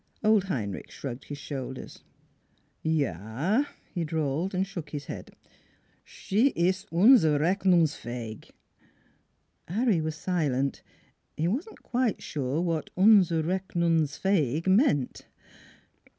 Old Heinrich shrugged his shoulders. " Ya" he drawled, and shook his head. " She is unzurechnungsfachig." Harry was silent. He was not quite sure what unzurechnungsfachig meant.